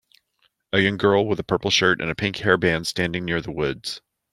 A young girl with a purple shirt and a pink hair band standing near the woods.